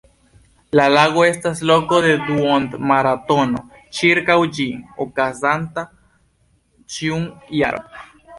La lago estas loko de duon-maratono ĉirkaŭ ĝi, okazanta ĉiun jaron.